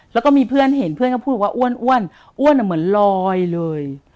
แล้วก็มีเพื่อนเห็นเพื่อนก็พูดบอกว่าอ้วนอ้วนเหมือนลอยเลย